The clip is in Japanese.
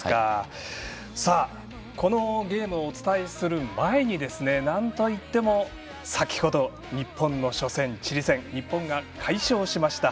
さあ、このゲームをお伝えする前になんといっても先程日本の初戦、チリ戦日本が快勝しました。